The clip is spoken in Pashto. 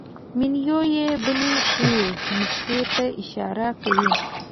مینوي یوې بلې ښې نکتې ته اشاره کوي.